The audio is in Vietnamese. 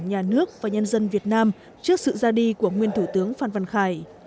nhà nước và nhân dân việt nam trước sự ra đi của nguyên thủ tướng phan văn khải